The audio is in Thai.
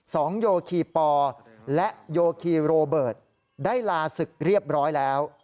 โยคีปอและโยคีโรเบิร์ตได้ลาศึกเรียบร้อยแล้ว